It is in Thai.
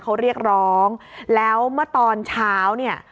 เขาเรียกร้องแล้วเมื่อตอนเช้าเนี่ย